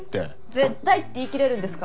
絶対って言い切れるんですか？